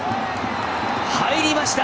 入りました！